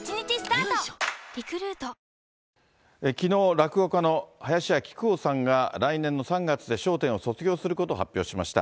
落語家の林家木久扇さんが来年の３月で笑点を卒業することを発表しました。